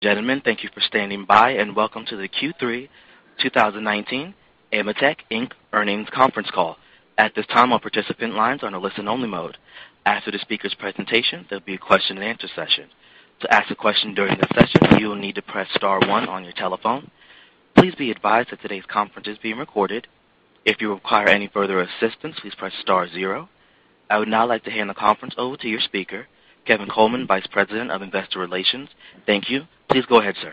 Gentlemen, thank you for standing by, and welcome to the Q3 2019 AMETEK, Inc. Earnings Conference Call. At this time, all participant lines are on a listen-only mode. After the speakers' presentation, there'll be a question and answer session. To ask a question during the session, you will need to press star one on your telephone. Please be advised that today's conference is being recorded. If you require any further assistance, please press star zero. I would now like to hand the conference over to your speaker, Kevin Coleman, Vice President of Investor Relations. Thank you. Please go ahead, sir.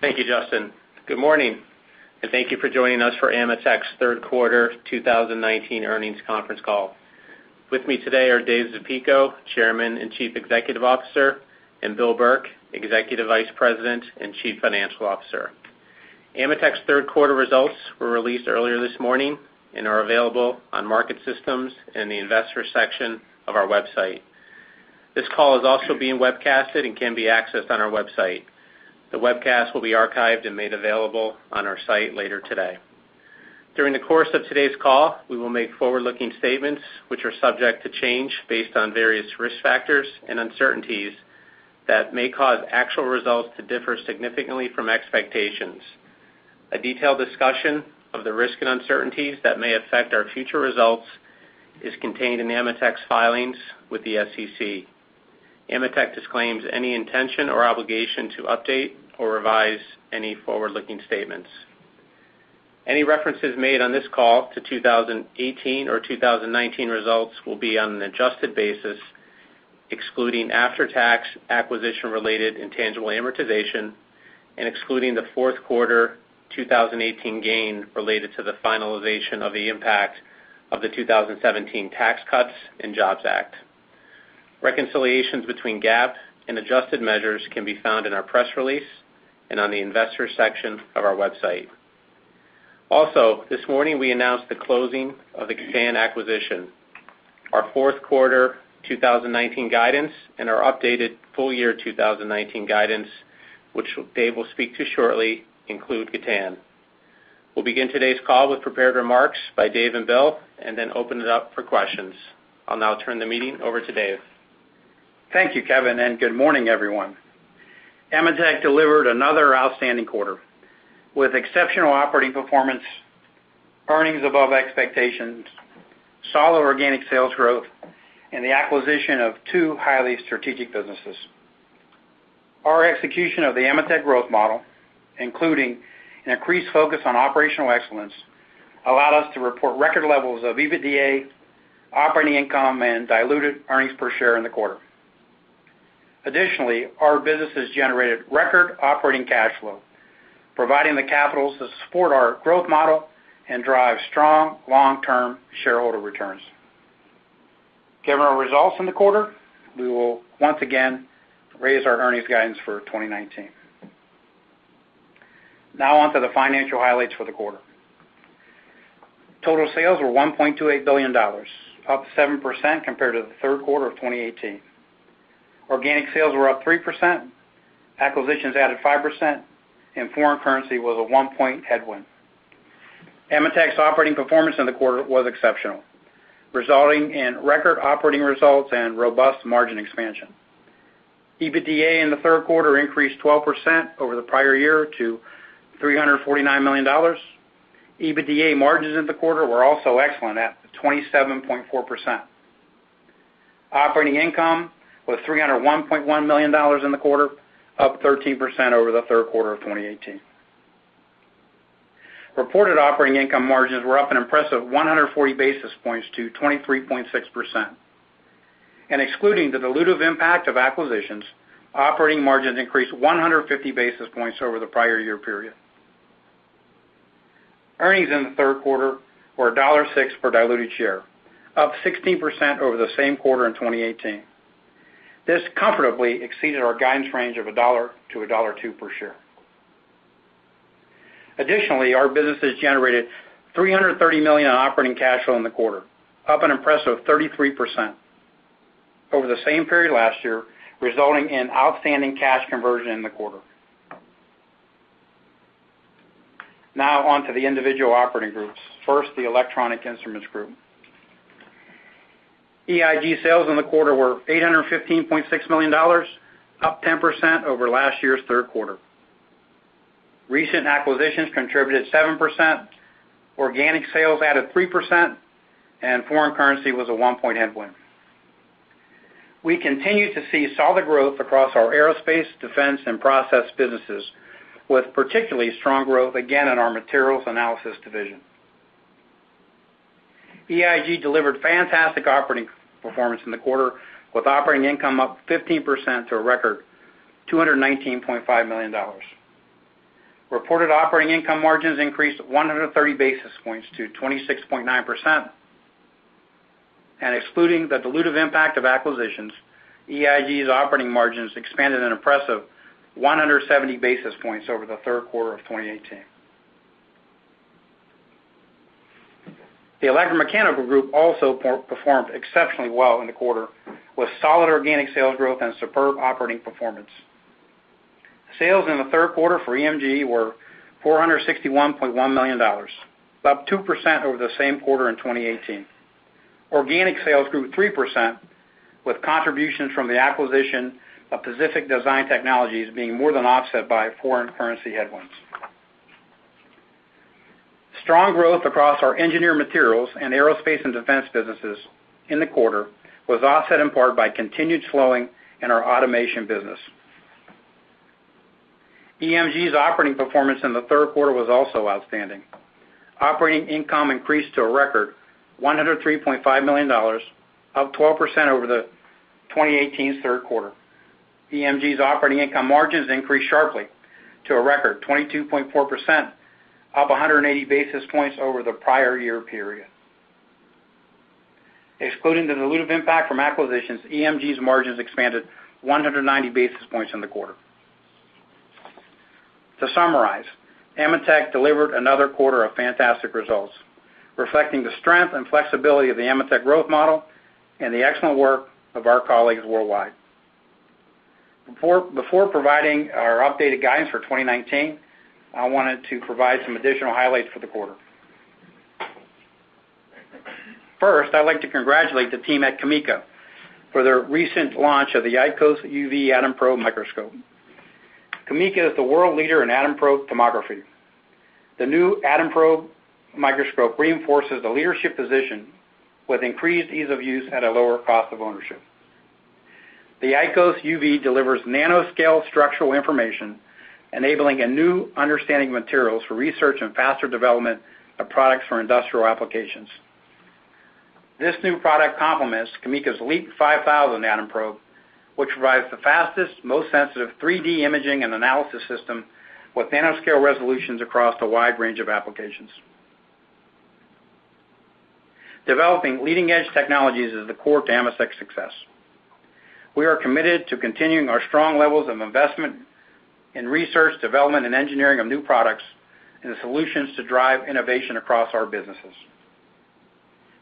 Thank you, Justin. Good morning, and thank you for joining us for AMETEK's third quarter 2019 earnings conference call. With me today are Dave Zapico, Chairman and Chief Executive Officer, and Bill Burke, Executive Vice President and Chief Financial Officer. AMETEK's third quarter results were released earlier this morning and are available on market systems and the investors section of our website. This call is also being webcasted and can be accessed on our website. The webcast will be archived and made available on our site later today. During the course of today's call, we will make forward-looking statements which are subject to change based on various risk factors and uncertainties that may cause actual results to differ significantly from expectations. A detailed discussion of the risk and uncertainties that may affect our future results is contained in AMETEK's filings with the SEC. AMETEK disclaims any intention or obligation to update or revise any forward-looking statements. Any references made on this call to 2018 or 2019 results will be on an adjusted basis, excluding after-tax acquisition-related intangible amortization and excluding the fourth quarter 2018 gain related to the finalization of the impact of the 2017 Tax Cuts and Jobs Act. Reconciliations between GAAP and adjusted measures can be found in our press release and on the investors section of our website. This morning, we announced the closing of the Gatan acquisition, our fourth quarter 2019 guidance, and our updated full year 2019 guidance, which Dave will speak to shortly, include Gatan. We'll begin today's call with prepared remarks by Dave and Bill and then open it up for questions. I'll now turn the meeting over to Dave. Thank you, Kevin, and good morning, everyone. AMETEK delivered another outstanding quarter, with exceptional operating performance, earnings above expectations, solid organic sales growth, and the acquisition of two highly strategic businesses. Our execution of the AMETEK growth model, including an increased focus on operational excellence, allowed us to report record levels of EBITDA, operating income, and diluted earnings per share in the quarter. Additionally, our businesses generated record operating cash flow, providing the capitals to support our growth model and drive strong long-term shareholder returns. Given our results in the quarter, we will once again raise our earnings guidance for 2019. Now on to the financial highlights for the quarter. Total sales were $1.28 billion, up 7% compared to the third quarter of 2018. Organic sales were up 3%, acquisitions added 5%, and foreign currency was a one-point headwind. AMETEK's operating performance in the quarter was exceptional, resulting in record operating results and robust margin expansion. EBITDA in the third quarter increased 12% over the prior year to $349 million. EBITDA margins in the quarter were also excellent at 27.4%. Operating income was $301.1 million in the quarter, up 13% over the third quarter of 2018. Reported operating income margins were up an impressive 140 basis points to 23.6%. Excluding the dilutive impact of acquisitions, operating margins increased 150 basis points over the prior year period. Earnings in the third quarter were $1.06 per diluted share, up 16% over the same quarter in 2018. This comfortably exceeded our guidance range of $1 to $1.02 per share. Additionally, our business has generated $330 million in operating cash flow in the quarter, up an impressive 33% over the same period last year, resulting in outstanding cash conversion in the quarter. Now on to the individual operating groups. First, the Electronic Instruments Group. EIG sales in the quarter were $815.6 million, up 10% over last year's third quarter. Recent acquisitions contributed 7%, organic sales added 3%. Foreign currency was a one-point headwind. We continue to see solid growth across our aerospace, defense, and process businesses, with particularly strong growth again in our Materials Analysis Division. EIG delivered fantastic operating performance in the quarter, with operating income up 15% to a record $219.5 million. Reported operating income margins increased 130 basis points to 26.9%. Excluding the dilutive impact of acquisitions, EIG's operating margins expanded an impressive 170 basis points over the third quarter of 2018. The Electromechanical Group also performed exceptionally well in the quarter, with solid organic sales growth and superb operating performance. Sales in the third quarter for EMG were $461.1 million, up 2% over the same quarter in 2018. Organic sales grew 3%, with contributions from the acquisition of Pacific Design Technologies being more than offset by foreign currency headwinds. Strong growth across our engineered materials and aerospace and defense businesses in the quarter was offset in part by continued slowing in our automation business. EMG's operating performance in the third quarter was also outstanding. Operating income increased to a record $103.5 million, up 12% over the 2018's third quarter. EMG's operating income margins increased sharply to a record 22.4%, up 180 basis points over the prior year period. Excluding the dilutive impact from acquisitions, EMG's margins expanded 190 basis points in the quarter. To summarize, AMETEK delivered another quarter of fantastic results, reflecting the strength and flexibility of the AMETEK growth model and the excellent work of our colleagues worldwide. Before providing our updated guidance for 2019, I wanted to provide some additional highlights for the quarter. First, I'd like to congratulate the team at CAMECA for their recent launch of the Helios UV atom probe microscope. CAMECA is the world leader in atom probe tomography. The new atom probe microscope reinforces the leadership position with increased ease of use at a lower cost of ownership. The Helios UV delivers nanoscale structural information, enabling a new understanding of materials for research and faster development of products for industrial applications. This new product complements CAMECA's LEAP 5000 atom probe, which provides the fastest, most sensitive 3D imaging and analysis system with nanoscale resolutions across a wide range of applications. Developing leading-edge technologies is the core to AMETEK's success. We are committed to continuing our strong levels of investment in research, development, and engineering of new products and the solutions to drive innovation across our businesses.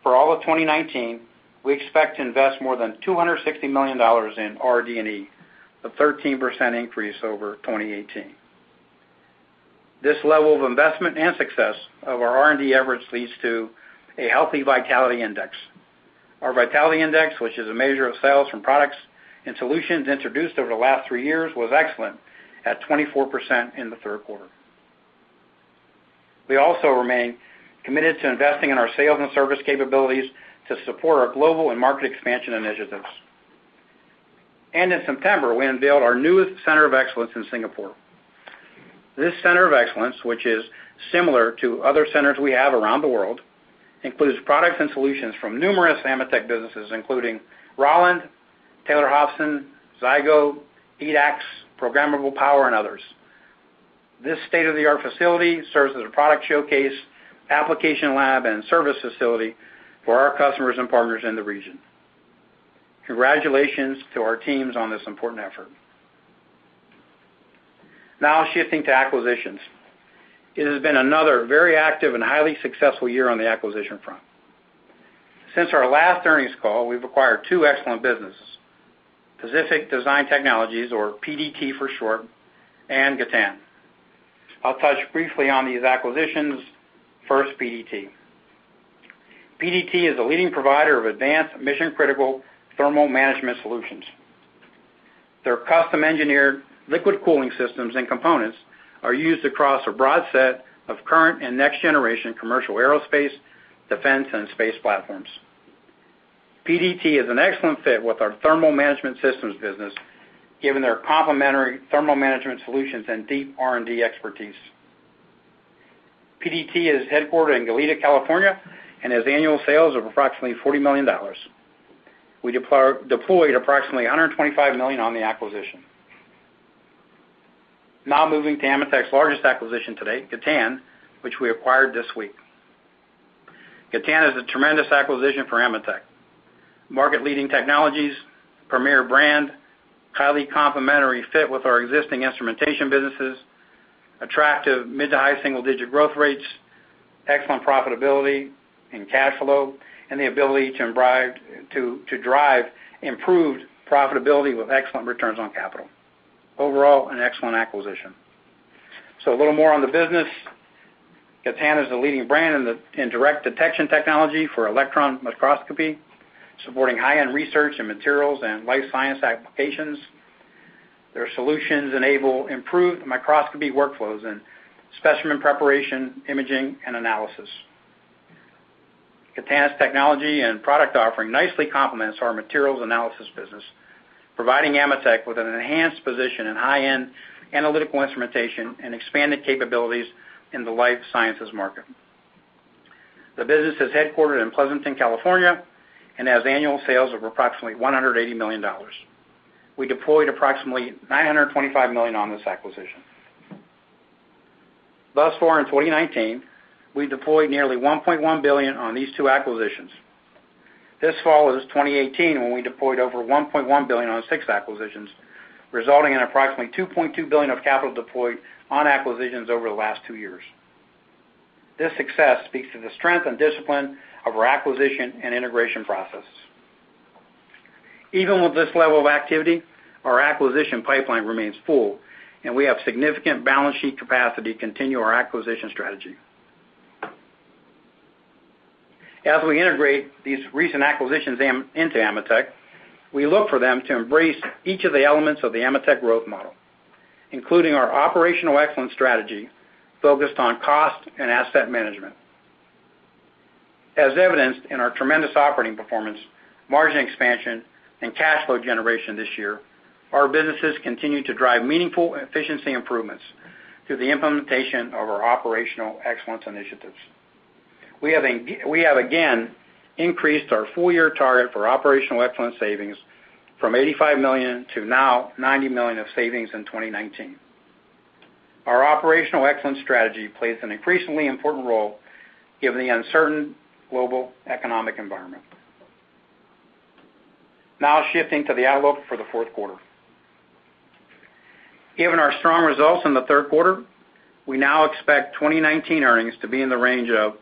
For all of 2019, we expect to invest more than $260 million in RD&E, a 13% increase over 2018. This level of investment and success of our R&D efforts leads to a healthy vitality index. Our vitality index, which is a measure of sales from products and solutions introduced over the last three years, was excellent at 24% in the third quarter. We also remain committed to investing in our sales and service capabilities to support our global and market expansion initiatives. In September, we unveiled our newest center of excellence in Singapore. This center of excellence, which is similar to other centers we have around the world, includes products and solutions from numerous AMETEK businesses, including Rauland, Taylor Hobson, Zygo, EDAX, Programmable Power, and others. This state-of-the-art facility serves as a product showcase, application lab, and service facility for our customers and partners in the region. Congratulations to our teams on this important effort. Now shifting to acquisitions. It has been another very active and highly successful year on the acquisition front. Since our last earnings call, we've acquired two excellent businesses, Pacific Design Technologies, or PDT for short, and Gatan. I'll touch briefly on these acquisitions. First, PDT. PDT is a leading provider of advanced mission-critical thermal management solutions. Their custom-engineered liquid cooling systems and components are used across a broad set of current and next-generation commercial aerospace, defense, and space platforms. PDT is an excellent fit with our thermal management systems business, given their complementary thermal management solutions and deep R&D expertise. PDT is headquartered in Goleta, California, and has annual sales of approximately $40 million. We deployed approximately $125 million on the acquisition. Moving to AMETEK's largest acquisition to date, Gatan, which we acquired this week. Gatan is a tremendous acquisition for AMETEK. Market-leading technologies, premier brand, highly complementary fit with our existing instrumentation businesses, attractive mid-to-high single-digit growth rates, excellent profitability and cash flow, and the ability to drive improved profitability with excellent returns on capital. Overall, an excellent acquisition. A little more on the business. Gatan is a leading brand in direct detection technology for electron microscopy, supporting high-end research in materials and life science applications. Their solutions enable improved microscopy workflows in specimen preparation, imaging, and analysis. Gatan's technology and product offering nicely complements our materials analysis business, providing AMETEK with an enhanced position in high-end analytical instrumentation and expanded capabilities in the life sciences market. The business is headquartered in Pleasanton, California, and has annual sales of approximately $180 million. We deployed approximately $925 million on this acquisition. Thus far in 2019, we deployed nearly $1.1 billion on these two acquisitions. This follows 2018, when we deployed over $1.1 billion on six acquisitions, resulting in approximately $2.2 billion of capital deployed on acquisitions over the last two years. This success speaks to the strength and discipline of our acquisition and integration process. Even with this level of activity, our acquisition pipeline remains full, and we have significant balance sheet capacity to continue our acquisition strategy. As we integrate these recent acquisitions into AMETEK, we look for them to embrace each of the elements of the AMETEK growth model, including our operational excellence strategy focused on cost and asset management. As evidenced in our tremendous operating performance, margin expansion, and cash flow generation this year, our businesses continue to drive meaningful efficiency improvements through the implementation of our operational excellence initiatives. We have again increased our full-year target for operational excellence savings from $85 million to now $90 million of savings in 2019. Our operational excellence strategy plays an increasingly important role given the uncertain global economic environment. Shifting to the outlook for the fourth quarter. Given our strong results in the third quarter, we now expect 2019 earnings to be in the range of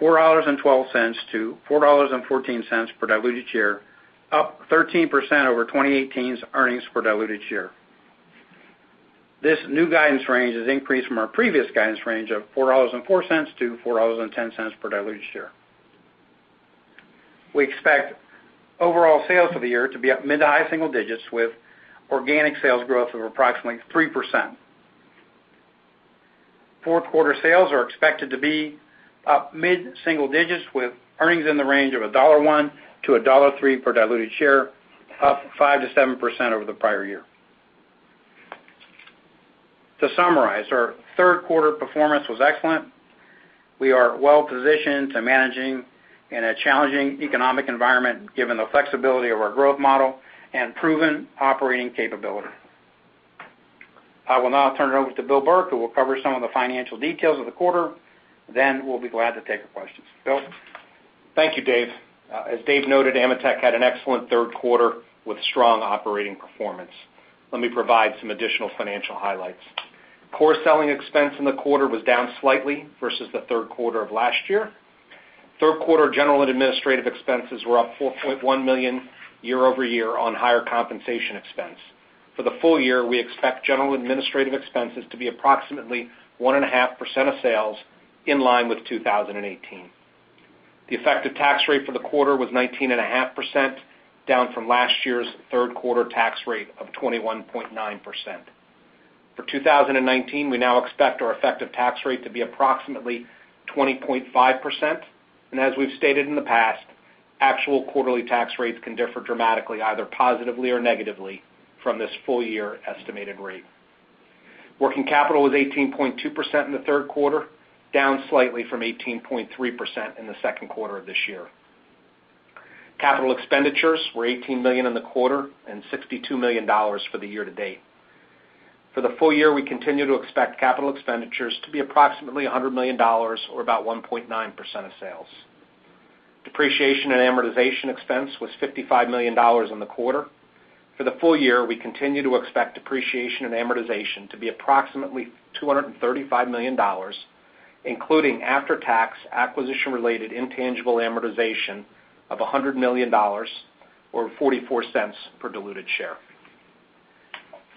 $4.12 to $4.14 per diluted share, up 13% over 2018's earnings per diluted share. This new guidance range is increased from our previous guidance range of $4.04 to $4.10 per diluted share. We expect overall sales for the year to be up mid to high single digits, with organic sales growth of approximately 3%. Fourth quarter sales are expected to be up mid-single digits, with earnings in the range of $1.01 to $1.03 per diluted share, up 5%-7% over the prior year. To summarize, our third quarter performance was excellent. We are well positioned to manage in a challenging economic environment given the flexibility of our growth model and proven operating capability. I will now turn it over to Bill Burke, who will cover some of the financial details of the quarter. We'll be glad to take your questions. Bill? Thank you, Dave. As Dave noted, AMETEK had an excellent third quarter with strong operating performance. Let me provide some additional financial highlights. Core selling expense in the quarter was down slightly versus the third quarter of last year. Third quarter general and administrative expenses were up $4.1 million year-over-year on higher compensation expense. For the full year, we expect general administrative expenses to be approximately 1.5% of sales, in line with 2018. The effective tax rate for the quarter was 19.5%, down from last year's third quarter tax rate of 21.9%. For 2019, we now expect our effective tax rate to be approximately 20.5%, and as we've stated in the past, actual quarterly tax rates can differ dramatically, either positively or negatively, from this full-year estimated rate. Working capital was 18.2% in the third quarter, down slightly from 18.3% in the second quarter of this year. Capital expenditures were $18 million in the quarter and $62 million for the year to date. For the full year, we continue to expect capital expenditures to be approximately $100 million or about 1.9% of sales. Depreciation and amortization expense was $55 million in the quarter. For the full year, we continue to expect depreciation and amortization to be approximately $235 million, including after-tax acquisition-related intangible amortization of $100 million or $0.44 per diluted share.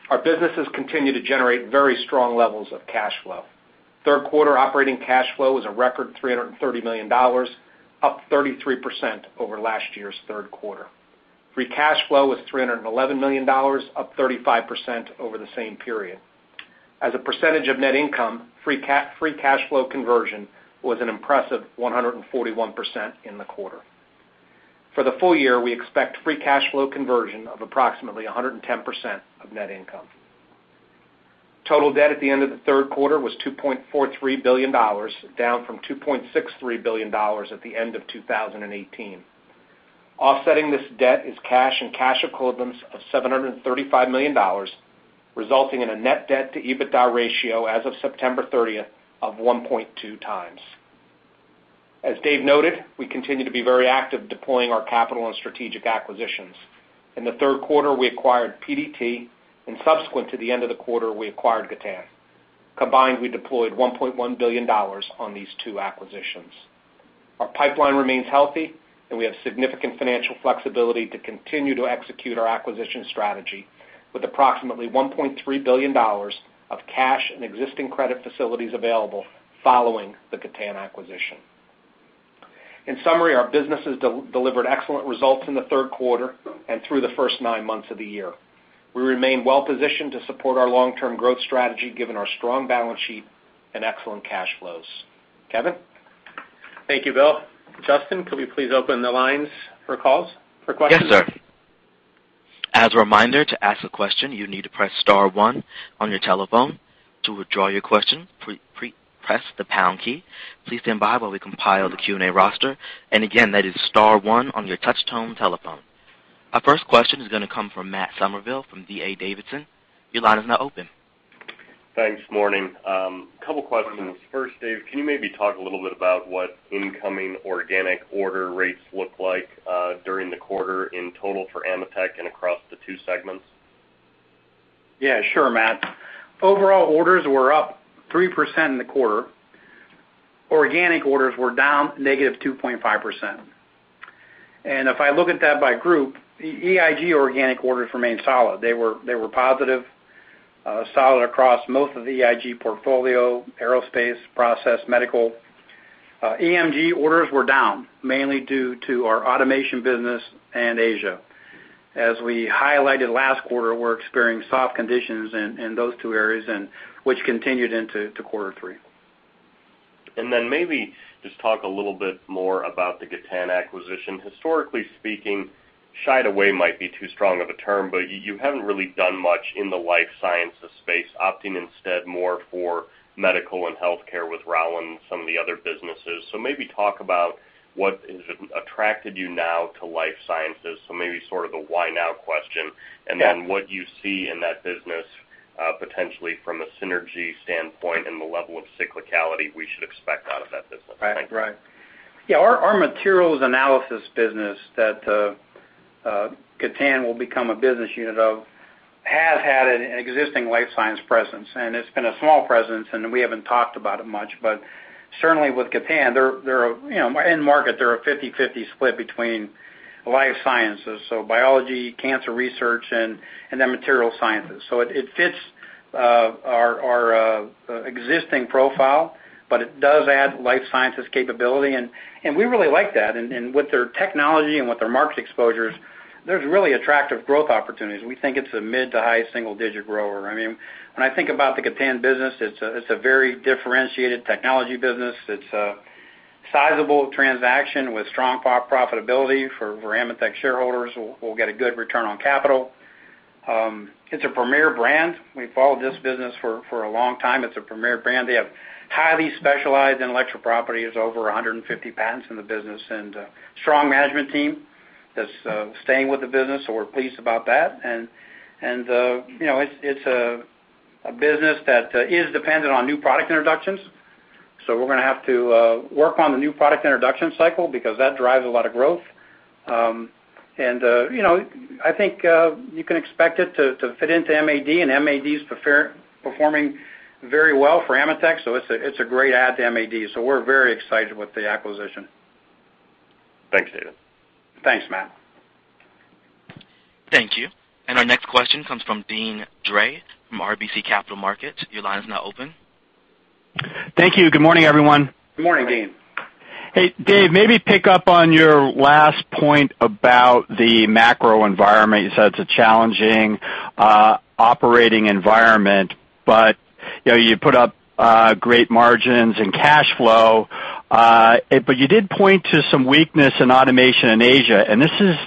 Our businesses continue to generate very strong levels of cash flow. Third quarter operating cash flow is a record $330 million, up 33% over last year's third quarter. Free cash flow was $311 million, up 35% over the same period. As a percentage of net income, free cash flow conversion was an impressive 141% in the quarter. For the full year, we expect free cash flow conversion of approximately 110% of net income. Total debt at the end of the third quarter was $2.43 billion, down from $2.63 billion at the end of 2018. Offsetting this debt is cash and cash equivalents of $735 million, resulting in a net debt to EBITDA ratio as of September 30th of 1.2 times. As Dave noted, we continue to be very active deploying our capital and strategic acquisitions. In the third quarter, we acquired PDT, and subsequent to the end of the quarter, we acquired Gatan. Combined, we deployed $1.1 billion on these two acquisitions. Our pipeline remains healthy, and we have significant financial flexibility to continue to execute our acquisition strategy with approximately $1.3 billion of cash and existing credit facilities available following the Gatan acquisition. In summary, our businesses delivered excellent results in the third quarter and through the first nine months of the year. We remain well positioned to support our long-term growth strategy given our strong balance sheet and excellent cash flows. Kevin? Thank you, Bill. Justin, could we please open the lines for calls for questions? Yes, sir. As a reminder, to ask a question, you need to press star one on your telephone. To withdraw your question, press the pound key. Please stand by while we compile the Q&A roster. Again, that is star one on your touch-tone telephone. Our first question is going to come from Matt Summerville from D.A. Davidson. Your line is now open. Thanks. Morning. Couple questions. First, Dave, can you maybe talk a little bit about what incoming organic order rates look like during the quarter in total for AMETEK and across the two segments? Yeah, sure, Matt. Overall orders were up 3% in the quarter. Organic orders were down -2.5%. If I look at that by group, the EIG organic orders remained solid. They were positive, solid across most of the EIG portfolio, aerospace, process, medical. EMG orders were down mainly due to our automation business and Asia. As we highlighted last quarter, we're experiencing soft conditions in those two areas, which continued into quarter three. Maybe just talk a little bit more about the Gatan acquisition. Historically speaking, shied away might be too strong of a term, but you haven't really done much in the life sciences space, opting instead more for medical and healthcare with Rauland, some of the other businesses. Maybe talk about what has attracted you now to life sciences. Maybe sort of the why now question. Yeah. What you see in that business, potentially from a synergy standpoint and the level of cyclicality we should expect out of that business. Thanks. Right. Yeah, our materials analysis business that Gatan will become a business unit of has had an existing life science presence, and it's been a small presence, and we haven't talked about it much. Certainly with Gatan, in market, they're a 50/50 split between life sciences, so biology, cancer research and then material sciences. It fits our existing profile, but it does add life sciences capability, and we really like that. With their technology and with their market exposures, there's really attractive growth opportunities. We think it's a mid to high single-digit grower. When I think about the Gatan business, it's a very differentiated technology business. It's a sizable transaction with strong profitability for AMETEK shareholders who will get a good return on capital. It's a premier brand. We followed this business for a long time. It's a premier brand. They have highly specialized intellectual property, is over 150 patents in the business, and a strong management team that's staying with the business, so we're pleased about that. It's a business that is dependent on new product introductions, so we're going to have to work on the new product introduction cycle because that drives a lot of growth. I think you can expect it to fit into MAD, and MAD's performing very well for AMETEK, so it's a great add to MAD. We're very excited with the acquisition. Thanks, David. Thanks, Matt. Thank you. Our next question comes from Deane Dray from RBC Capital Markets. Your line is now open. Thank you. Good morning, everyone. Good morning, Deane. Hey, David, maybe pick up on your last point about the macro environment. You said it's a challenging operating environment, but you put up great margins and cash flow. You did point to some weakness in automation in Asia, and this is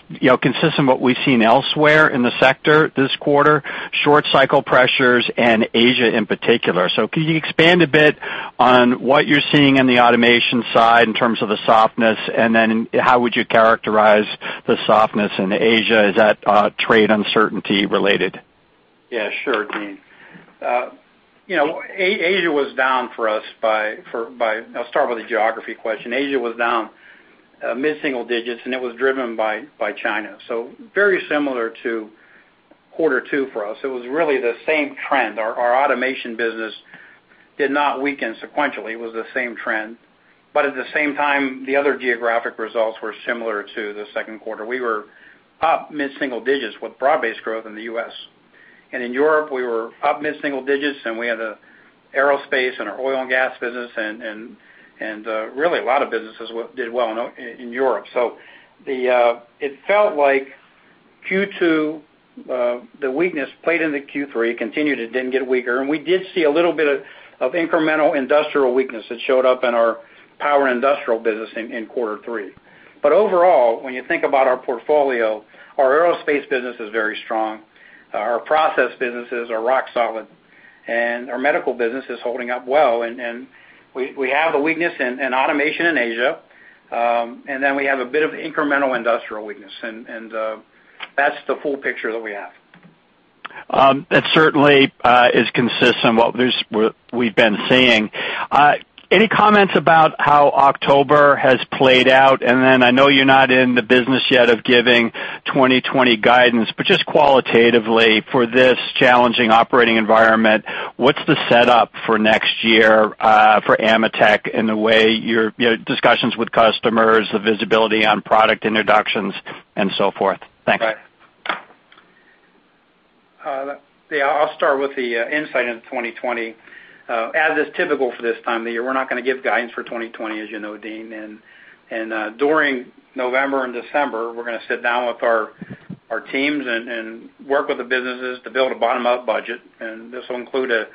consistent with what we've seen elsewhere in the sector this quarter, short cycle pressures in Asia in particular. Can you expand a bit on what you're seeing in the automation side in terms of the softness, and then how would you characterize the softness in Asia? Is that trade uncertainty related? Yeah, sure, Deane. I'll start with the geography question. Asia was down mid-single digits, it was driven by China. Very similar to quarter 2 for us. It was really the same trend. Our automation business did not weaken sequentially. It was the same trend. At the same time, the other geographic results were similar to the second quarter. We were up mid-single digits with broad-based growth in the U.S. In Europe, we were up mid-single digits, and we had the aerospace and our oil and gas business and really a lot of businesses did well in Europe. It felt like Q2, the weakness played into Q3, continued, it didn't get weaker. We did see a little bit of incremental industrial weakness that showed up in our power industrial business in quarter 3. Overall, when you think about our portfolio, our aerospace business is very strong. Our process businesses are rock solid, and our medical business is holding up well. We have a weakness in automation in Asia, and then we have a bit of incremental industrial weakness. That's the full picture that we have. That certainly is consistent with we've been seeing. Any comments about how October has played out? I know you're not in the business yet of giving 2020 guidance, but just qualitatively for this challenging operating environment, what's the setup for next year for AMETEK in the way your discussions with customers, the visibility on product introductions and so forth? Thanks. Right. I'll start with the insight into 2020. As is typical for this time of the year, we're not going to give guidance for 2020, as you know, Deane. During November and December, we're going to sit down with our teams and work with the businesses to build a bottom-up budget. This will include a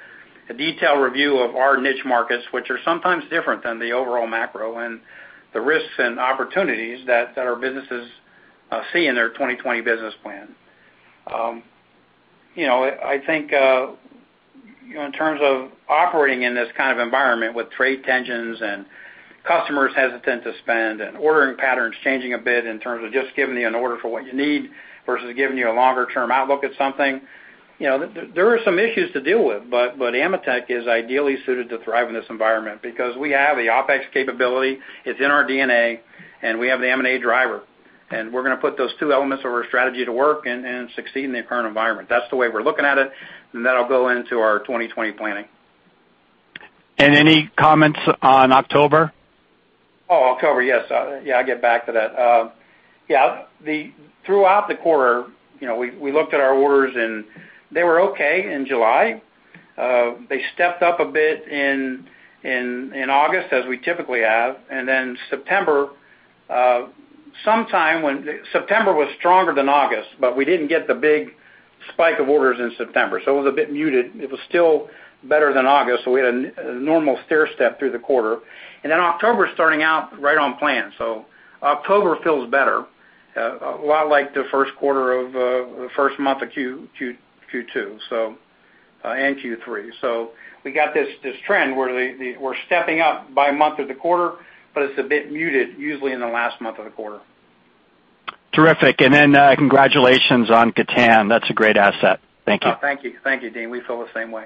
detailed review of our niche markets, which are sometimes different than the overall macro, and the risks and opportunities that our businesses see in their 2020 business plan. I think in terms of operating in this kind of environment with trade tensions and customers hesitant to spend and ordering patterns changing a bit in terms of just giving you an order for what you need versus giving you a longer-term outlook at something. There are some issues to deal with, AMETEK is ideally suited to thrive in this environment because we have the OpEx capability. It's in our DNA, and we have the M&A driver. We're going to put those two elements of our strategy to work and succeed in the current environment. That's the way we're looking at it, and that'll go into our 2020 planning. Any comments on October? Oh, October. Yes. I'll get back to that. Yeah. Throughout the quarter, we looked at our orders, they were okay in July. They stepped up a bit in August, as we typically have. September was stronger than August, but we didn't get the big spike of orders in September, so it was a bit muted. It was still better than August, we had a normal stairstep through the quarter. October is starting out right on plan. October feels better, a lot like the first month of Q2 and Q3. We got this trend where we're stepping up by month of the quarter, but it's a bit muted usually in the last month of the quarter. Terrific. Congratulations on Gatan. That's a great asset. Thank you. Oh, thank you. Thank you, Deane. We feel the same way.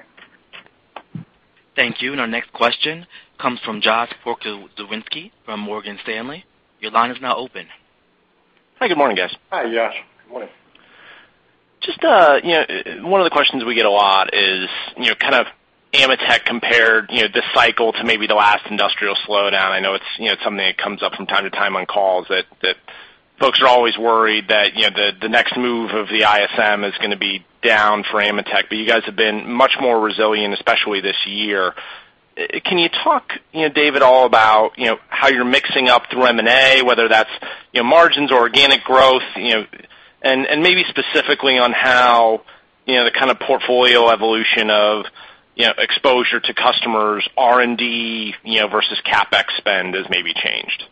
Thank you. Our next question comes from Josh Pokrzywinski from Morgan Stanley. Your line is now open. Hi, good morning, guys. Hi, Josh. Good morning. Just one of the questions we get a lot is kind of AMETEK compared this cycle to maybe the last industrial slowdown. I know it's something that comes up from time to time on calls, that folks are always worried that the next move of the ISM is going to be down for AMETEK, but you guys have been much more resilient, especially this year. Can you talk, David, at all about how you're mixing up through M&A, whether that's margins or organic growth, and maybe specifically on how the kind of portfolio evolution of exposure to customers, R&D versus CapEx spend has maybe changed?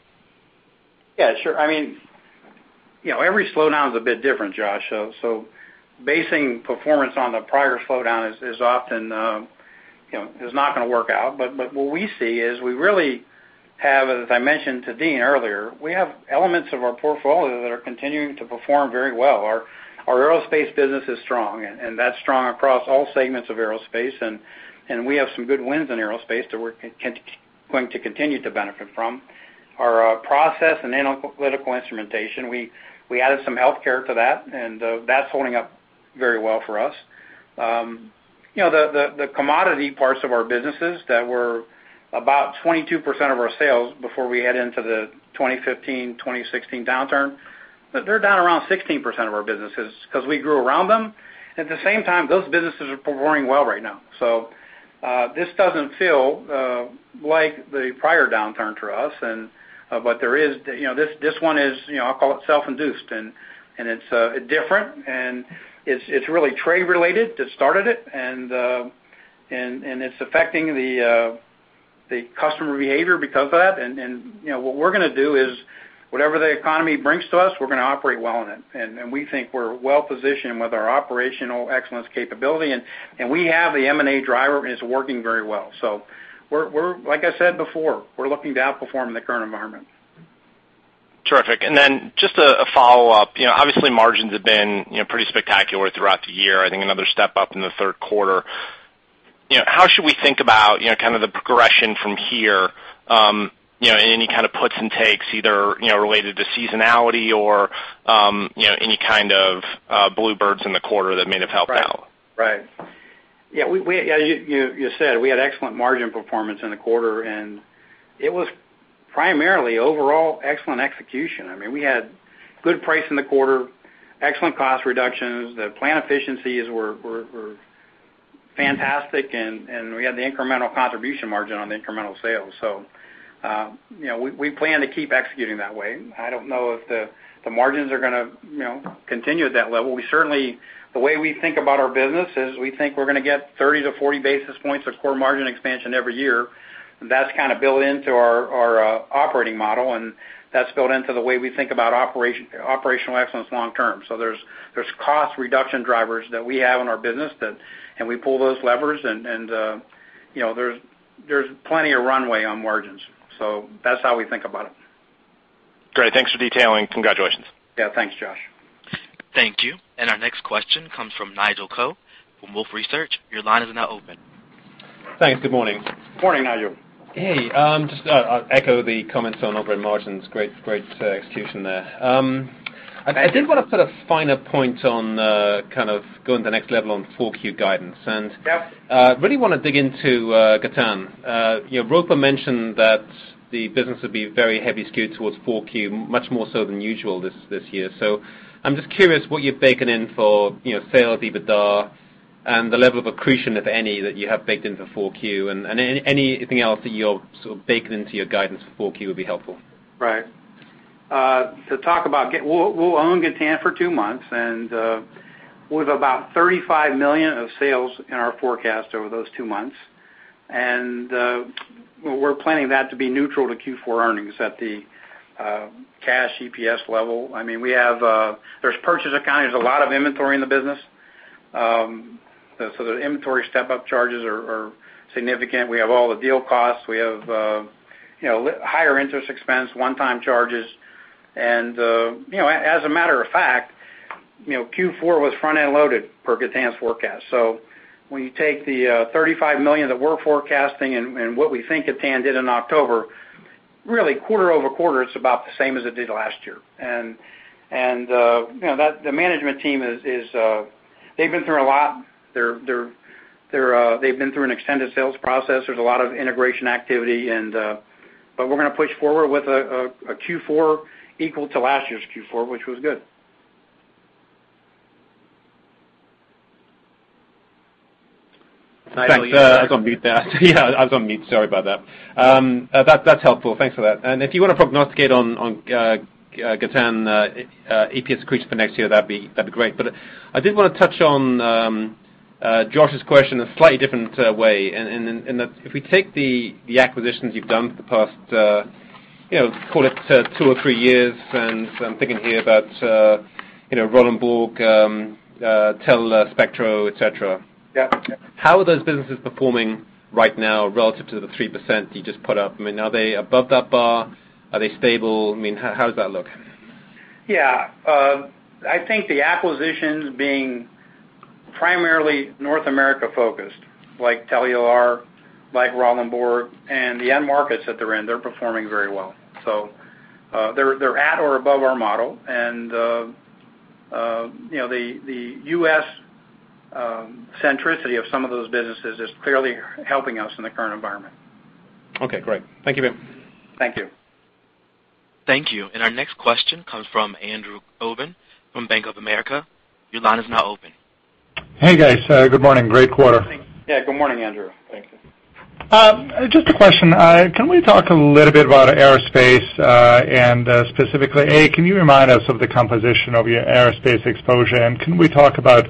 Yeah, sure. Every slowdown is a bit different, Josh. Basing performance on the prior slowdown is not going to work out. What we see is we really have, as I mentioned to Deane earlier, we have elements of our portfolio that are continuing to perform very well. Our aerospace business is strong, and that's strong across all segments of aerospace, and we have some good wins in aerospace that we're going to continue to benefit from. Our process and analytical instrumentation, we added some healthcare to that, and that's holding up very well for us. The commodity parts of our businesses that were about 22% of our sales before we head into the 2015-2016 downturn, they're down around 16% of our businesses because we grew around them. At the same time, those businesses are performing well right now. This doesn't feel like the prior downturn for us. This one is, I'll call it self-induced, and it's different, and it's really trade-related that started it, and it's affecting the customer behavior because of that. What we're going to do is whatever the economy brings to us, we're going to operate well in it. We think we're well-positioned with our operational excellence capability, and we have the M&A driver, and it's working very well. Like I said before, we're looking to outperform in the current environment. Terrific. Just a follow-up. Obviously, margins have been pretty spectacular throughout the year. I think another step up in the third quarter. How should we think about kind of the progression from here? Any kind of puts and takes, either related to seasonality or any kind of bluebirds in the quarter that may have helped out? Right. As you said, we had excellent margin performance in the quarter. It was primarily overall excellent execution. We had good price in the quarter, excellent cost reductions. The plant efficiencies were fantastic. We had the incremental contribution margin on the incremental sales. We plan to keep executing that way. I don't know if the margins are going to continue at that level. The way we think about our business is we think we're going to get 30 to 40 basis points of core margin expansion every year. That's kind of built into our operating model. That's built into the way we think about operational excellence long term. There's cost reduction drivers that we have in our business. We pull those levers. There's plenty of runway on margins. That's how we think about it. Great. Thanks for detailing. Congratulations. Yeah. Thanks, Josh. Thank you. Our next question comes from Nigel Coe from Wolfe Research. Your line is now open. Thanks. Good morning. Morning, Nigel. Hey. Just echo the comments on operating margins. Great execution there. Thanks. I did want to put a finer point on kind of going to the next level on 4Q guidance. Yep. Really want to dig into Gatan. Nigel mentioned that the business would be very heavily skewed towards 4Q, much more so than usual this year. I'm just curious what you're baking in for sales, EBITDA, and the level of accretion, if any, that you have baked into 4Q. Anything else that you're sort of baking into your guidance for 4Q would be helpful. Right. We'll own Gatan for two months. We've about $35 million of sales in our forecast over those two months. We're planning that to be neutral to Q4 earnings at the cash EPS level. There's purchase accounting. There's a lot of inventory in the business. The inventory step-up charges are significant. We have all the deal costs. We have higher interest expense, one-time charges, and as a matter of fact, Q4 was front-end loaded per Gatan's forecast. When you take the $35 million that we're forecasting and what we think Gatan did in October, really quarter-over-quarter, it's about the same as it did last year. The management team, they've been through a lot. They've been through an extended sales process. There's a lot of integration activity. We're going to push forward with a Q4 equal to last year's Q4, which was good. Thanks. I was on mute there. Yeah, I was on mute, sorry about that. That's helpful. Thanks for that. If you want to prognosticate on Gatan EPS accretion for next year, that'd be great. I did want to touch on Josh's question in a slightly different way, in that if we take the acquisitions you've done for the past call it two or three years, and I'm thinking here about Rollon Borg, Telular, Spectro Scientific, et cetera. Yeah. How are those businesses performing right now relative to the 3% you just put up? Are they above that bar? Are they stable? How does that look? Yeah. I think the acquisitions being primarily North America focused, like Telular, like Rollon Borg, and the end markets that they're in, they're performing very well. They're at or above our model, and the U.S. centricity of some of those businesses is clearly helping us in the current environment. Okay, great. Thank you, Jim. Thank you. Thank you. Our next question comes from Andrew Obin from Bank of America. Your line is now open. Hey, guys. Good morning. Great quarter. Yeah, good morning, Andrew. Thanks. Just a question. Can we talk a little bit about aerospace, and specifically, A, can you remind us of the composition of your aerospace exposure, and can we talk about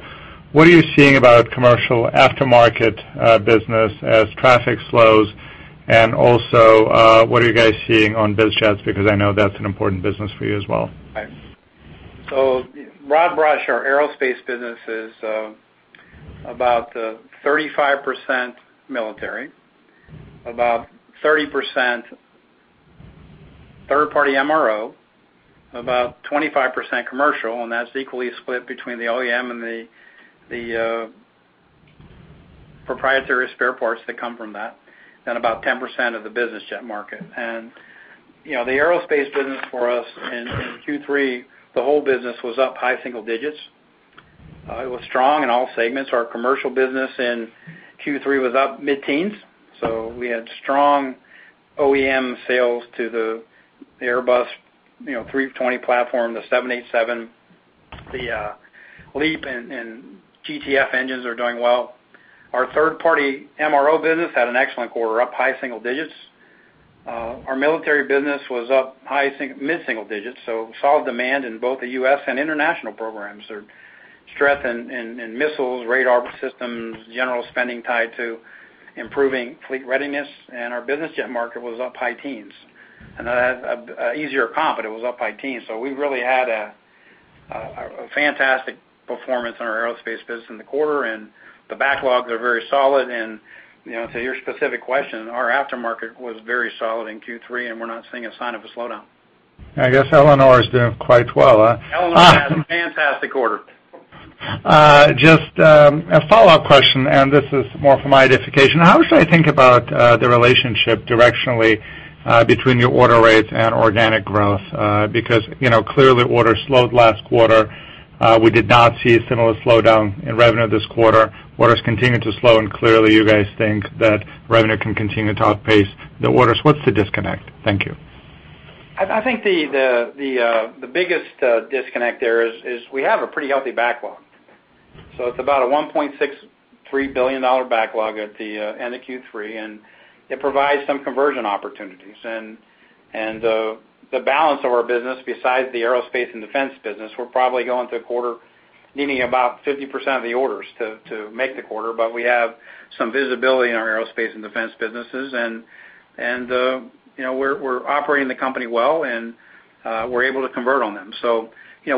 what are you seeing about commercial aftermarket business as traffic slows, and also, what are you guys seeing on biz jets, because I know that's an important business for you as well. Right. Broad brush, our aerospace business is about 35% military, about 30% third-party MRO, about 25% commercial, and that's equally split between the OEM and the proprietary spare parts that come from that, and about 10% of the business jet market. The aerospace business for us in Q3, the whole business was up high single digits. It was strong in all segments. Our commercial business in Q3 was up mid-teens. We had strong OEM sales to the Airbus A320 platform, the 787. The LEAP and GTF engines are doing well. Our third-party MRO business had an excellent quarter, up high single digits. Our military business was up mid-single digits, so solid demand in both the U.S. and international programs. There's strength in missiles, radar systems, general spending tied to improving fleet readiness, and our business jet market was up high teens. That has a easier comp, but it was up high teens. We really had a fantastic performance on our aerospace business in the quarter, and the backlogs are very solid. To your specific question, our aftermarket was very solid in Q3, and we're not seeing a sign of a slowdown. I guess Eleanor is doing quite well, huh? Eleanor had a fantastic quarter. Just a follow-up question, and this is more for my edification. How should I think about the relationship directionally between your order rates and organic growth? Clearly orders slowed last quarter. We did not see a similar slowdown in revenue this quarter. Orders continued to slow, and clearly you guys think that revenue can continue to outpace the orders. What's the disconnect? Thank you. I think the biggest disconnect there is we have a pretty healthy backlog. It's about a $1.63 billion backlog at the end of Q3, and it provides some conversion opportunities. The balance of our business, besides the aerospace and defense business, we're probably going through the quarter needing about 50% of the orders to make the quarter. We have some visibility in our aerospace and defense businesses, and we're operating the company well, and we're able to convert on them.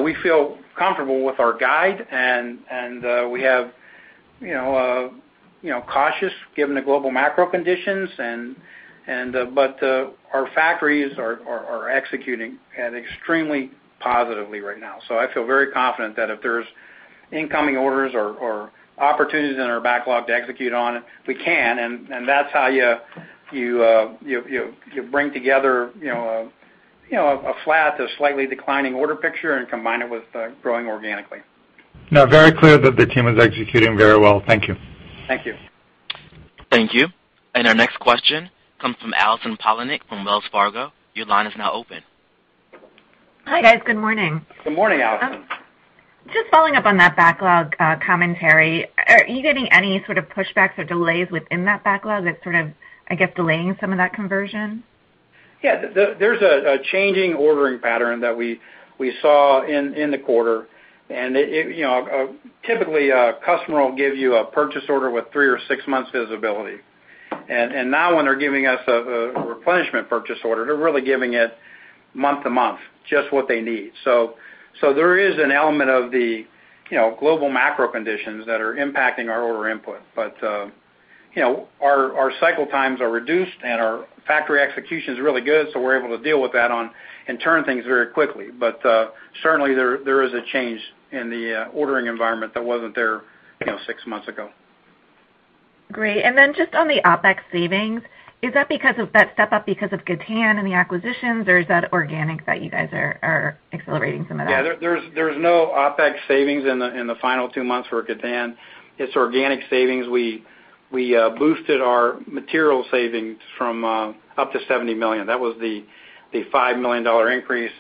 We feel comfortable with our guide, and we have cautious given the global macro conditions, but our factories are executing extremely positively right now. I feel very confident that if there's incoming orders or opportunities in our backlog to execute on it, we can, and that's how you bring together a flat to slightly declining order picture and combine it with growing organically. No, very clear that the team is executing very well. Thank you. Thank you. Thank you. Our next question comes from Allison Poliniak from Wells Fargo. Your line is now open. Hi, guys. Good morning. Good morning, Allison. Just following up on that backlog commentary. Are you getting any sort of pushbacks or delays within that backlog that's sort of, I guess, delaying some of that conversion? Yeah. There's a changing ordering pattern that we saw in the quarter. Typically, a customer will give you a purchase order with three or six months visibility. Now when they're giving us a replenishment purchase order, they're really giving it month to month, just what they need. There is an element of the global macro conditions that are impacting our order input. Our cycle times are reduced, and our factory execution is really good. We're able to deal with that and turn things very quickly. Certainly, there is a change in the ordering environment that wasn't there six months ago. Great. Then just on the OpEx savings, is that step up because of Gatan and the acquisitions, or is that organic that you guys are accelerating some of that? Yeah. There's no OpEx savings in the final two months for Gatan. It's organic savings. We boosted our material savings up to $70 million. That was the $5 million increase.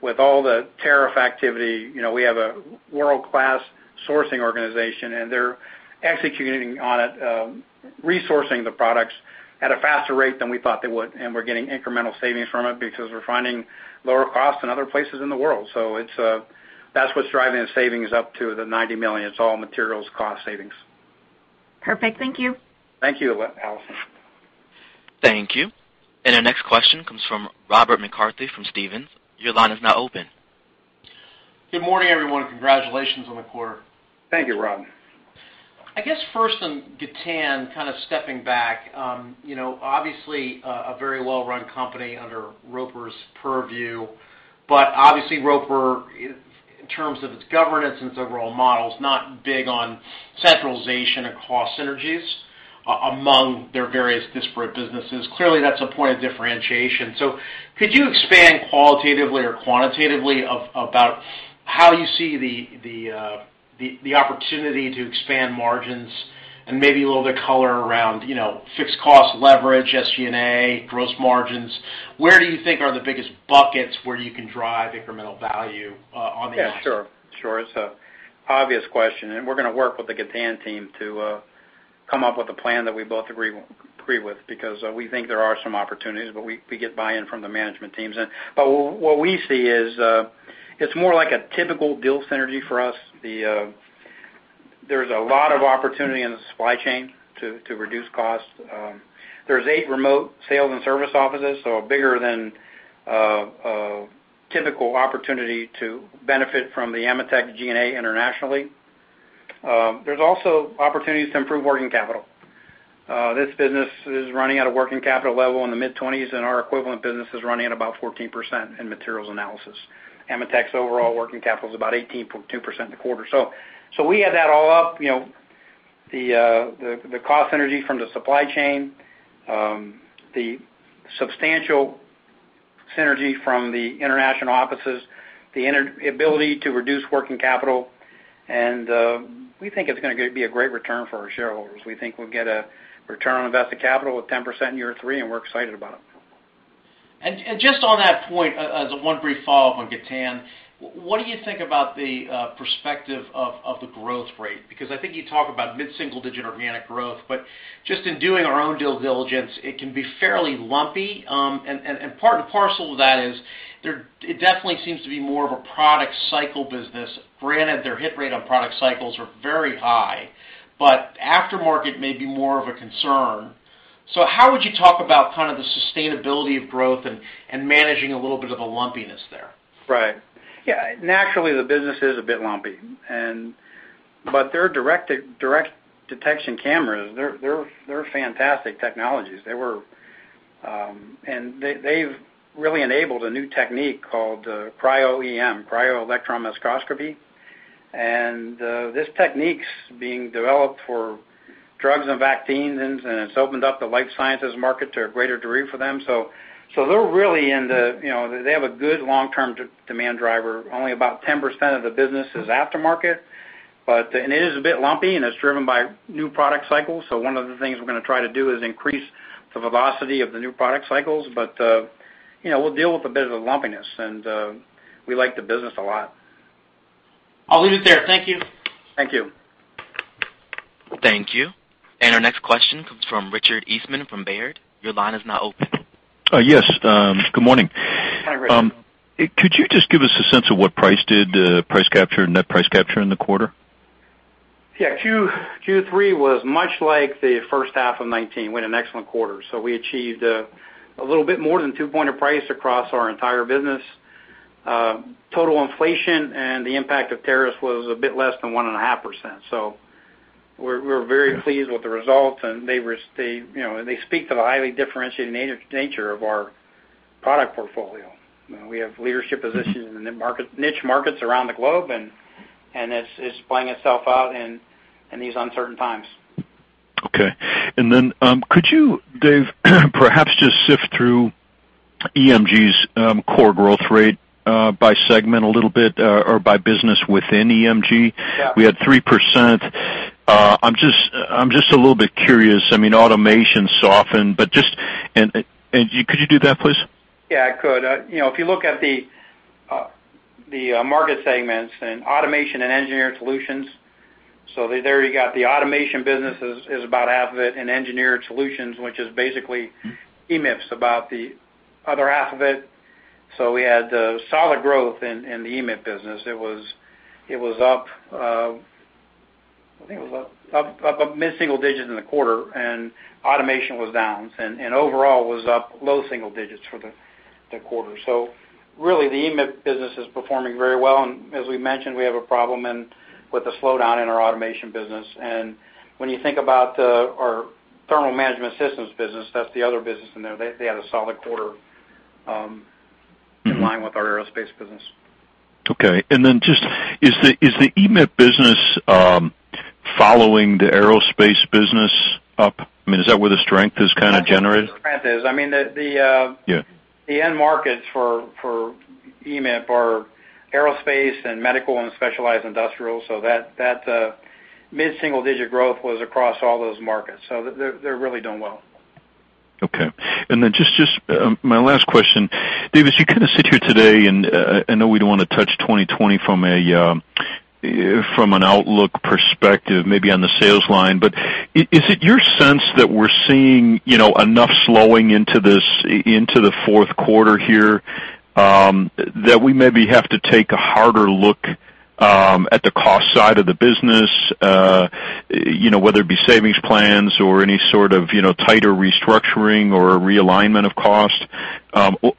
With all the tariff activity, we have a world-class sourcing organization, and they're executing on it, resourcing the products at a faster rate than we thought they would. We're getting incremental savings from it because we're finding lower costs in other places in the world. That's what's driving the savings up to the $90 million. It's all materials cost savings. Perfect. Thank you. Thank you, Allison. Thank you. Our next question comes from Robert McCarthy from Stephens. Your line is now open. Good morning, everyone. Congratulations on the quarter. Thank you, Rob. I guess first on Gatan, kind of stepping back. Obviously, a very well-run company under Roper's purview, but obviously Roper, in terms of its governance and its overall models, not big on centralization and cost synergies among their various disparate businesses. Clearly, that's a point of differentiation. Could you expand qualitatively or quantitatively about how you see the opportunity to expand margins and maybe a little bit color around fixed cost leverage, SG&A, gross margins? Where do you think are the biggest buckets where you can drive incremental value on the asset? Yeah, sure. It's an obvious question, and we're going to work with the Gatan team to come up with a plan that we both agree with, because we think there are some opportunities, but we get buy-in from the management teams. What we see is, it's more like a typical deal synergy for us. There's a lot of opportunity in the supply chain to reduce costs. There's eight remote sales and service offices, so a bigger than a typical opportunity to benefit from the AMETEK G&A internationally. There's also opportunities to improve working capital. This business is running at a working capital level in the mid-20s, and our equivalent business is running at about 14% in materials analysis. AMETEK's overall working capital is about 18.2% in the quarter. We add that all up, the cost synergy from the supply chain, the substantial synergy from the international offices, the ability to reduce working capital, and we think it's going to be a great return for our shareholders. We think we'll get a return on invested capital with 10% in year three, and we're excited about it. Just on that point, as one brief follow-up on Gatan, what do you think about the perspective of the growth rate? I think you talk about mid-single digit organic growth, but just in doing our own due diligence, it can be fairly lumpy, and part and parcel of that is it definitely seems to be more of a product cycle business, granted their hit rate on product cycles are very high, but aftermarket may be more of a concern. How would you talk about kind of the sustainability of growth and managing a little bit of a lumpiness there? Right. Yeah, naturally, the business is a bit lumpy. Their direct detection cameras, they're fantastic technologies. They've really enabled a new technique called Cryo-EM, cryogenic electron microscopy. This technique's being developed for drugs and vaccines, and it's opened up the life sciences market to a greater degree for them. They have a good long-term demand driver. Only about 10% of the business is aftermarket. It is a bit lumpy, and it's driven by new product cycles. One of the things we're going to try to do is increase the velocity of the new product cycles. We'll deal with a bit of a lumpiness, and we like the business a lot. I'll leave it there. Thank you. Thank you. Thank you. Our next question comes from Richard Eastman from Baird. Your line is now open. Yes. Good morning. Hi, Richard. Could you just give us a sense of what price did price capture, net price capture in the quarter? Q3 was much like the first half of 2019. We had an excellent quarter. We achieved a little bit more than two point of price across our entire business. Total inflation and the impact of tariffs was a bit less than 1.5%. We're very pleased with the results, and they speak to the highly differentiated nature of our product portfolio. We have leadership positions in niche markets around the globe, and it's playing itself out in these uncertain times. Okay. Could you, Dave, perhaps just sift through EMG's core growth rate by segment a little bit or by business within EMG? Yeah. We had 3%. I'm just a little bit curious. Automation softened. Could you do that, please? Yeah, I could. If you look at the market segments and Automation and Engineered Solutions, there you got the automation business is about half of it, and Engineered Solutions, which is basically EIPs, about the other half of it. We had solid growth in the EIP business. It was up mid-single digits in the quarter, and automation was down. Overall was up low single digits for the quarter. Really, the eMAP business is performing very well. As we mentioned, we have a problem with the slowdown in our automation business. When you think about our thermal management systems business, that's the other business in there. They had a solid quarter in line with our aerospace business. Okay. Just is the eMAP business following the aerospace business up? Is that where the strength is kind of generated? That's where the strength is. Yeah. The end markets for eMAP are aerospace and medical and specialized industrial. That mid-single-digit growth was across all those markets. They're really doing well. Just my last question, David, you kind of sit here today, and I know we don't want to touch 2020 from an outlook perspective, maybe on the sales line, but is it your sense that we're seeing enough slowing into the fourth quarter here that we maybe have to take a harder look at the cost side of the business, whether it be savings plans or any sort of tighter restructuring or realignment of cost?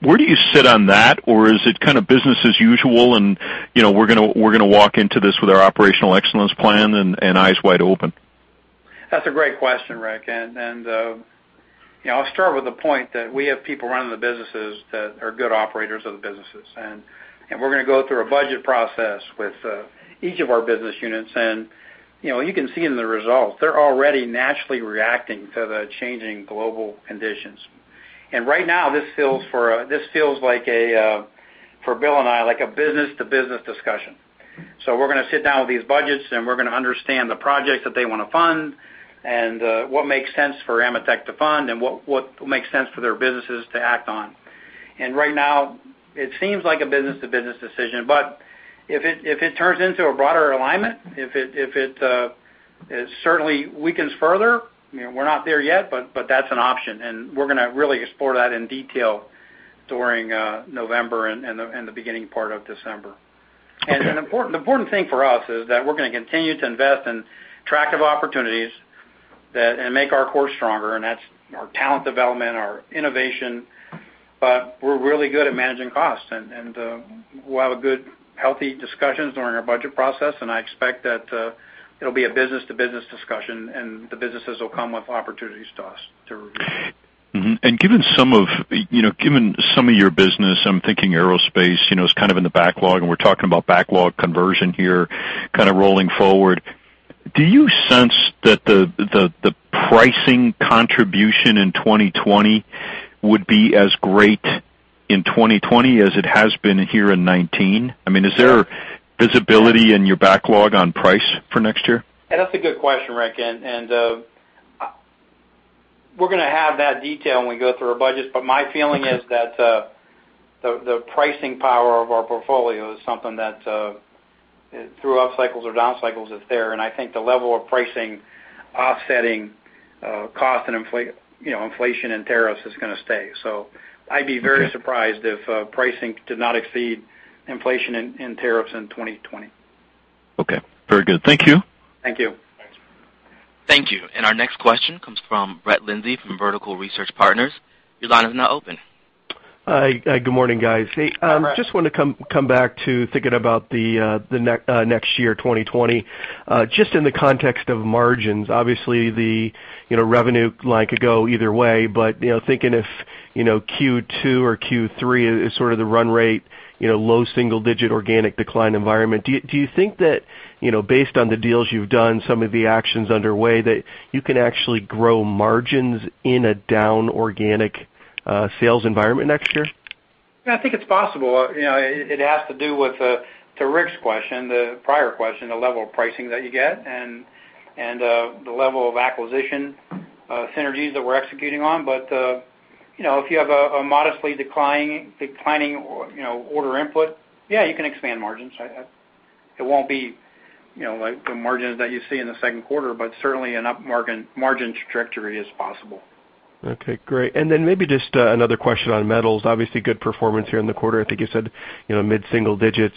Where do you sit on that? Or is it kind of business as usual, and we're going to walk into this with our Operational Excellence plan and eyes wide open? That's a great question, Rick. I'll start with the point that we have people running the businesses that are good operators of the businesses. We're going to go through a budget process with each of our business units, and you can see in the results, they're already naturally reacting to the changing global conditions. Right now, this feels like, for Bill and I, like a business-to-business discussion. We're going to sit down with these budgets, and we're going to understand the projects that they want to fund and what makes sense for AMETEK to fund and what makes sense for their businesses to act on. Right now, it seems like a business-to-business decision. If it turns into a broader alignment, if it certainly weakens further, we're not there yet, but that's an option, and we're going to really explore that in detail during November and the beginning part of December. Okay. The important thing for us is that we're going to continue to invest in attractive opportunities and make our core stronger, and that's our talent development, our innovation, but we're really good at managing costs. We'll have good, healthy discussions during our budget process, and I expect that it'll be a business-to-business discussion, and the businesses will come with opportunities to us to review. Mm-hmm. Given some of your business, I'm thinking aerospace is kind of in the backlog, and we're talking about backlog conversion here kind of rolling forward. Do you sense that the pricing contribution in 2020 would be as great in 2020 as it has been here in 2019? Is there visibility in your backlog on price for next year? That's a good question, Rick. We're going to have that detail when we go through our budgets, but my feeling is that the pricing power of our portfolio is something that through up cycles or down cycles is there, and I think the level of pricing offsetting cost and inflation and tariffs is going to stay. I'd be very surprised if pricing did not exceed inflation and tariffs in 2020. Okay. Very good. Thank you. Thank you. Thank you. Our next question comes from Brett Linzey from Vertical Research Partners. Your line is now open. Hi. Good morning, guys. Hi, Brett. Just want to come back to thinking about the next year, 2020, just in the context of margins. Obviously, the revenue line could go either way, thinking if Q2 or Q3 is sort of the run rate, low single digit organic decline environment. Do you think that based on the deals you've done, some of the actions underway, that you can actually grow margins in a down organic sales environment next year? I think it's possible. It has to do with Rick's question, the prior question, the level of pricing that you get and the level of acquisition synergies that we're executing on. If you have a modestly declining order input, yeah, you can expand margins. It won't be like the margins that you see in the second quarter, certainly an up margin trajectory is possible. Okay, great. Maybe just another question on metals. Obviously, good performance here in the quarter. I think you said mid-single digits.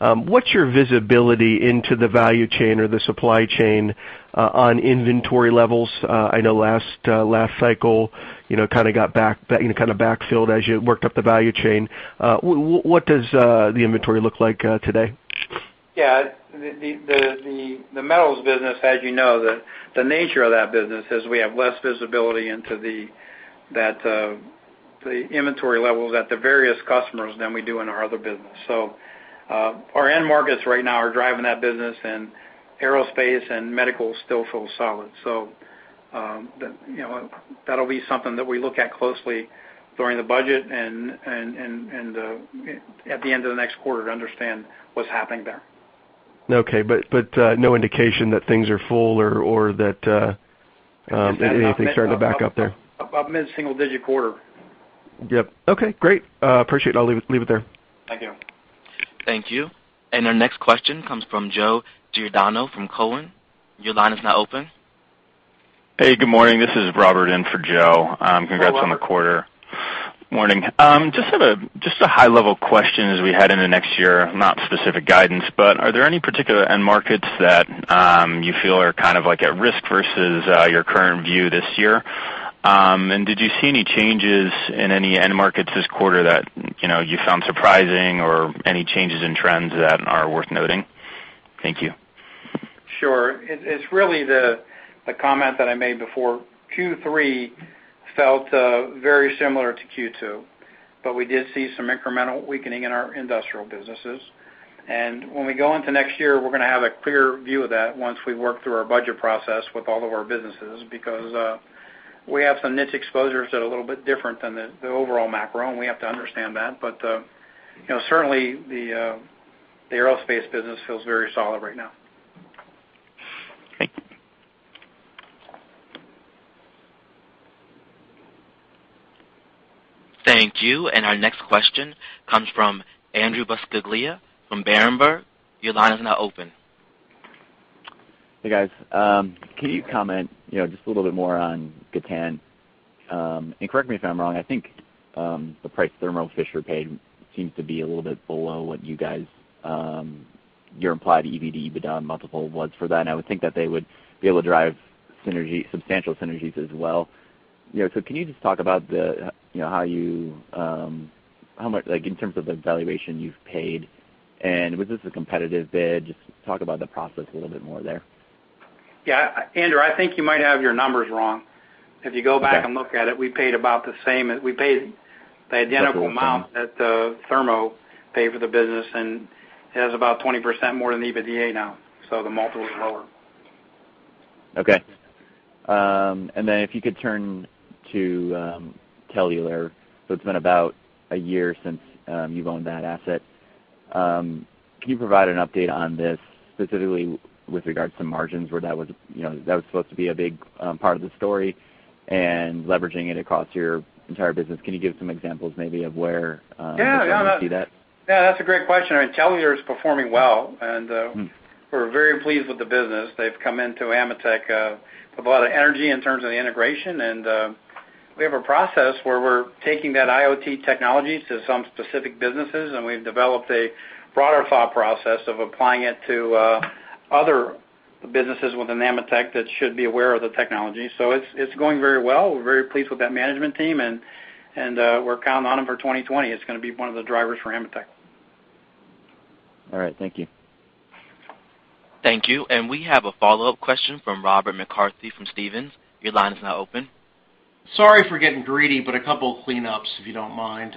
What's your visibility into the value chain or the supply chain on inventory levels? I know last cycle kind of backfilled as you worked up the value chain. What does the inventory look like today? Yeah. The metals business, as you know, the nature of that business is we have less visibility into the inventory levels at the various customers than we do in our other business. Our end markets right now are driving that business, and aerospace and medical still feel solid. That'll be something that we look at closely during the budget and at the end of the next quarter to understand what's happening there. Okay. No indication that things are full or that anything's starting to back up there? Up mid-single digit quarter. Yep. Okay, great. Appreciate it. I'll leave it there. Thank you. Thank you. Our next question comes from Joe Giordano from Cowen. Your line is now open. Hey, good morning. This is Robert in for Joe. Hello, Robert. Congrats on the quarter. Morning. Just a high-level question as we head into next year, not specific guidance, but are there any particular end markets that you feel are kind of at risk versus your current view this year? Did you see any changes in any end markets this quarter that you found surprising or any changes in trends that are worth noting? Thank you. Sure. It's really the comment that I made before. Q3 felt very similar to Q2. We did see some incremental weakening in our industrial businesses. When we go into next year, we're going to have a clear view of that once we work through our budget process with all of our businesses, because we have some niche exposures that are a little bit different than the overall macro, and we have to understand that. Certainly, the aerospace business feels very solid right now. Thank you. Thank you. Our next question comes from Andrew Buscaglia from Berenberg. Your line is now open. Hey, guys. Can you comment just a little bit more on Gatan? Correct me if I'm wrong, I think, the price Thermo Fisher paid seems to be a little bit below what your implied EBITDA multiple was for that. I would think that they would be able to drive substantial synergies as well. Can you just talk about how much, in terms of the valuation you've paid, and was this a competitive bid? Just talk about the process a little bit more there. Yeah. Andrew, I think you might have your numbers wrong. If you go back and look at it, we paid about the same as. Okay we paid the identical amount that Thermo paid for the business, and it has about 20% more than EBITDA now, so the multiple is lower. Okay. If you could turn to Telular. It's been about a year since you've owned that asset. Can you provide an update on this, specifically with regards to margins, where that was supposed to be a big part of the story, and leveraging it across your entire business? Can you give some examples maybe of where we see that? Yeah, that's a great question. Telular is performing well, and we're very pleased with the business. They've come into AMETEK with a lot of energy in terms of the integration. We have a process where we're taking that IoT technologies to some specific businesses, and we've developed a broader thought process of applying it to other businesses within AMETEK that should be aware of the technology. It's going very well. We're very pleased with that management team, and we're counting on them for 2020. It's going to be one of the drivers for AMETEK. All right. Thank you. Thank you. We have a follow-up question from Robert McCarthy from Stephens. Your line is now open. Sorry for getting greedy, a couple cleanups, if you don't mind.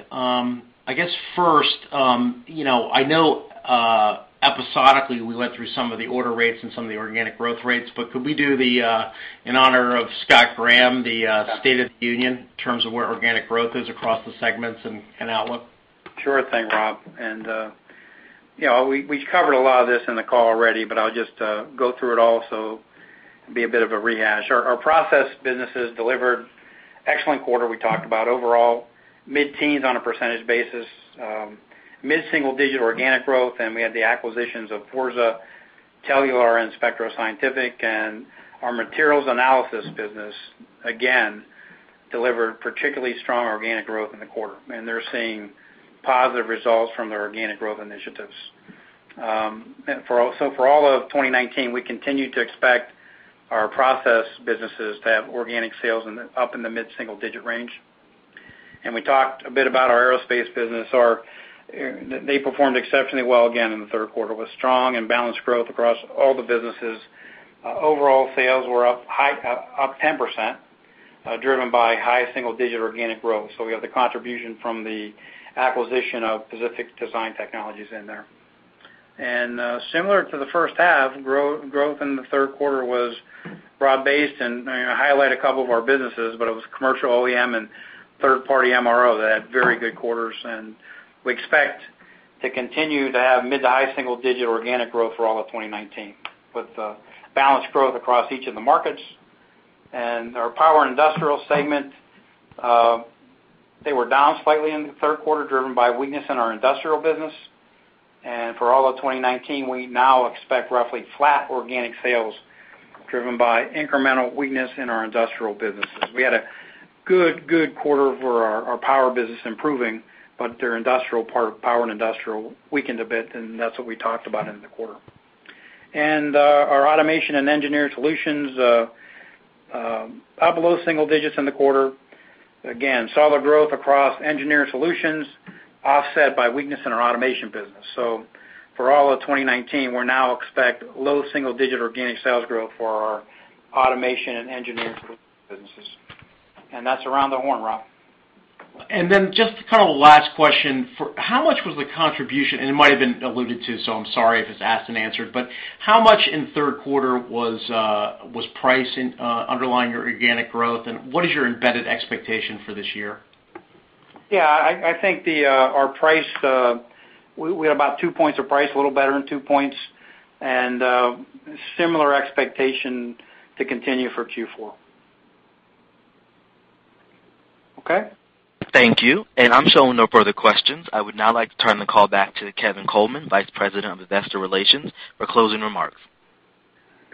I guess first, I know episodically we went through some of the order rates and some of the organic growth rates, could we do the, in honor of Scott Graham, the state of the union in terms of where organic growth is across the segments and outlook? Sure thing, Rob. We covered a lot of this in the call already, but I'll just go through it all, so it'd be a bit of a rehash. Our process businesses delivered excellent quarter. We talked about overall mid-teens on a percentage basis, mid-single-digit organic growth, and we had the acquisitions of Forza, Telular, and Spectro Scientific. Our materials analysis business, again, delivered particularly strong organic growth in the quarter. They're seeing positive results from their organic growth initiatives. For all of 2019, we continue to expect our process businesses to have organic sales up in the mid-single digit range. We talked a bit about our aerospace business. They performed exceptionally well again in the third quarter, with strong and balanced growth across all the businesses. Overall sales were up 10%, driven by high single-digit organic growth. We have the contribution from the acquisition of Pacific Design Technologies in there. Similar to the first half, growth in the third quarter was broad-based, and I highlight a couple of our businesses, but it was commercial OEM and third-party MRO that had very good quarters. We expect to continue to have mid to high single-digit organic growth for all of 2019, with balanced growth across each of the markets. Our power and industrial segment, they were down slightly in the third quarter, driven by weakness in our industrial business. For all of 2019, we now expect roughly flat organic sales driven by incremental weakness in our industrial businesses. We had a good quarter for our power business improving, but their industrial part of power and industrial weakened a bit, and that's what we talked about in the quarter. Our automation and engineering solutions, up low single digits in the quarter. Again, solid growth across engineering solutions offset by weakness in our automation business. For all of 2019, we now expect low single-digit organic sales growth for our automation and engineering solutions businesses. That's around the horn, Rob. Just kind of a last question. How much was the contribution, and it might have been alluded to, so I'm sorry if it's asked and answered, but how much in the third quarter was price underlying your organic growth, and what is your embedded expectation for this year? I think our price, we had about 2 points of price, a little better than 2 points, and similar expectation to continue for Q4. Okay. Thank you. I'm showing no further questions. I would now like to turn the call back to Kevin Coleman, Vice President of Investor Relations, for closing remarks.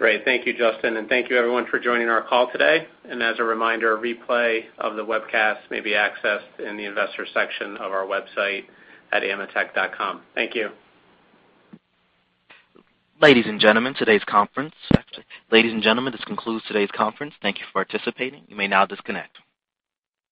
Great. Thank you, Justin. Thank you everyone for joining our call today. As a reminder, a replay of the webcast may be accessed in the investor section of our website at ametek.com. Thank you. Ladies and gentlemen, this concludes today's conference. Thank you for participating. You may now disconnect.